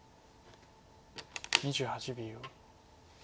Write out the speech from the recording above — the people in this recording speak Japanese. ２８秒。